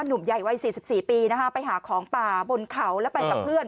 หนุ่มใหญ่วัย๔๔ปีนะคะไปหาของป่าบนเขาแล้วไปกับเพื่อน